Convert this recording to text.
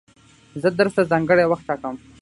زه درس ته ځانګړی وخت ټاکم.